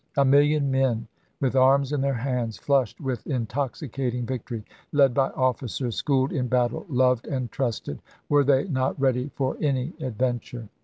A million men, with arms in their hands, flushed with intoxicating victory, led by officers schooled in battle, loved and trusted — were they not ready for any adventure